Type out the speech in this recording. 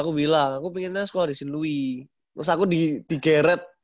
aku bilang aku pengennya sekolah di sindui terus aku digeret